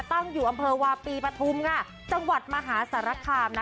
ตั้งอยู่อำเภอวาปีประทุมจังหวัดมหาศาลักษณ์คามนะคะ